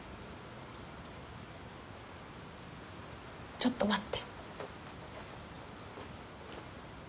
ちょっと待って。